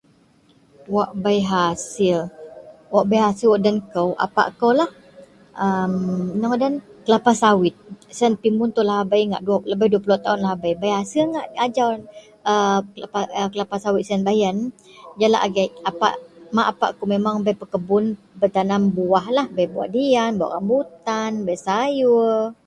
wak bei hasil, wak bei hasil wak den kou, apak kou lah, amm ino ngadan kelapak sawit, sien pimun itou lahabei ngak lebih dua puluk taun lahabei bei hasil ngak ajau, a kela kelapak sawit sien baih ien jalak agei apak mak apak kou memang bei pekebun, petanam buwahlah, bei buwak dian, buwah rambutan bei sayur